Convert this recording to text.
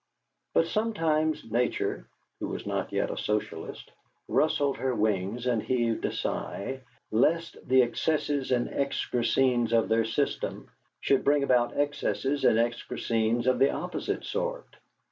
But sometimes Nature (who was not yet a Socialist) rustled her wings and heaved a sigh, lest the excesses and excrescences of their system should bring about excesses and excrescences of the opposite sort.